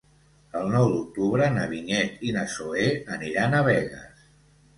El nou d'octubre na Vinyet i na Zoè aniran a Begues.